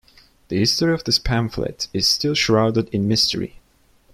The history of this pamphlet is still shrouded in mystery.